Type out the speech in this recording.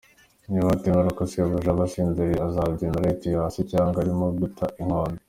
niba atemera ko sebuja aba asinziriye azabyemera yituye hasi cyangwa arimo guta inkonda.